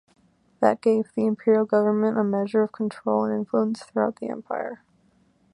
That gave the imperial government a measure of control and influence throughout the empire.